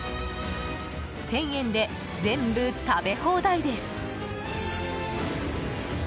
１０００円で全部食べ放題です。